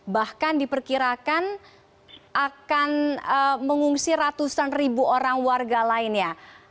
bahkan diperkirakan akan mengungsi ratusan ribu orang warga lainnya